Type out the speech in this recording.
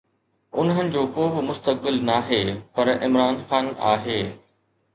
انهن جو ڪو به مستقبل ناهي پر عمران خان آهي.